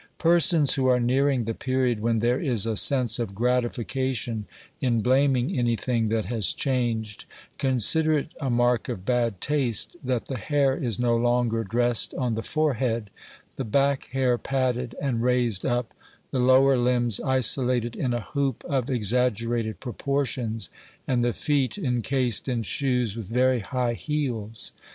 Persons who are nearing the period when there is a sense of gratification in blaming anything that has changed, consider it a mark of bad taste that the hair is no longer dressed on the forehead, the back hair padded and raised up, the lower limbs isolated in a hoop of exaggerated proportions, and the feet encased in shoes with very high heels.